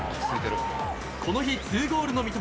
この日２ゴールの三笘。